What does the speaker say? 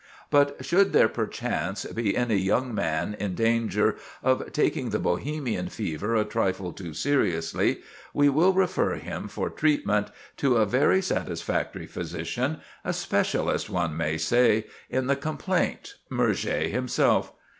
But should there perchance be any young man in danger of taking the Bohemian fever a trifle too seriously, we will refer him for treatment to a very satisfactory physician, a specialist, one may say, in the complaint—Murger himself.